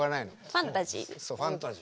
ファンタジーなの。